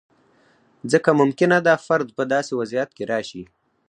ځکه ممکنه ده فرد په داسې وضعیت کې راشي.